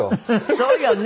そうよね。